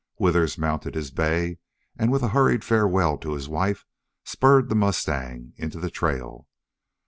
Withers mounted his bay and with a hurried farewell to his wife spurred the mustang into the trail.